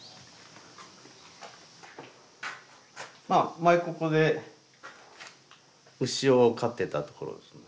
前ここで牛を飼ってたところですね。